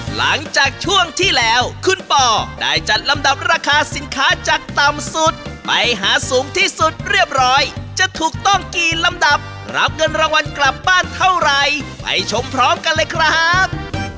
หลังจากช่วงที่แล้วคุณปอได้จัดลำดับราคาสินค้าจากต่ำสุดไปหาสูงที่สุดเรียบร้อยจะถูกต้องกี่ลำดับรับเงินรางวัลกลับบ้านเท่าไหร่ไปชมพร้อมกันเลยครับ